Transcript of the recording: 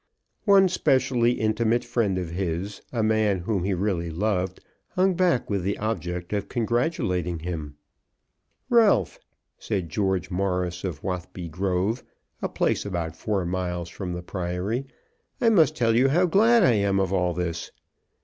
One specially intimate friend of his, a man whom he really loved, hung back with the object of congratulating him. "Ralph," said George Morris, of Watheby Grove, a place about four miles from the Priory, "I must tell you how glad I am of all this."